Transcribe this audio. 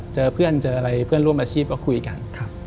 เจอเพื่อนเจออะไรเพื่อนร่วมอาชีพก็คุยกัน